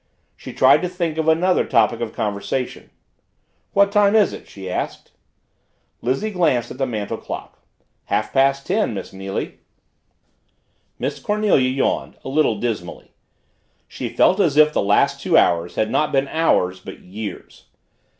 She tried to think of another topic of conversation. "What time is it?" she asked. Lizzie glanced at the mantel clock. "Half past ten, Miss Neily." Miss Cornelia yawned, a little dismally. She felt as if the last two hours had not been hours but years.